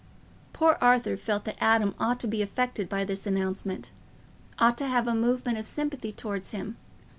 Poor Arthur felt that Adam ought to be affected by this announcement—ought to have a movement of sympathy towards him.